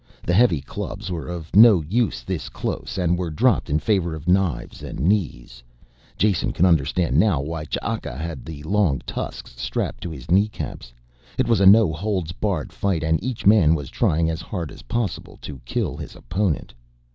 The heavy clubs were of no use this close and were dropped in favor of knives and knees: Jason could understand now why Ch'aka had the long tusks strapped to his kneecaps. It was a no holds barred fight and each man was trying as hard as possible to kill his opponent.